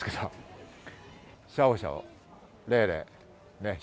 シャオシャオ＆レイレイ、祝！